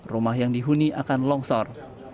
rumah yang dihuni akan longsor